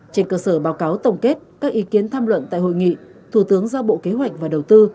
trên cơ sở báo cáo tổng kết các ý kiến tham luận tại hội nghị thủ tướng giao bộ kế hoạch và đầu tư